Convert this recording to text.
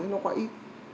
nó quá ít